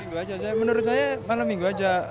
malam minggu saja menurut saya malam minggu saja